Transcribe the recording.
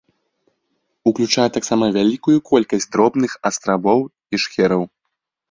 Уключае таксама вялікую колькасць дробных астравоў і шхераў.